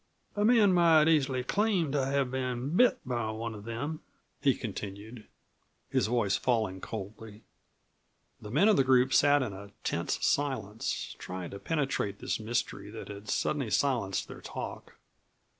"A man might easily claim to have been bit by one of them," he continued, his voice falling coldly. The men of the group sat in a tense silence, trying to penetrate this mystery that had suddenly silenced their talk.